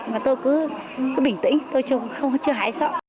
mà tôi cứ bình tĩnh tôi chưa hãi sợ